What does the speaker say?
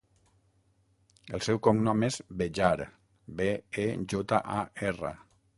El seu cognom és Bejar: be, e, jota, a, erra.